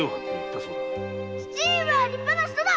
父上は立派な人だ！